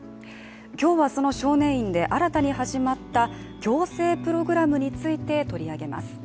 今日は、その少年院で新たに始まった矯正プログラムについて取り上げます。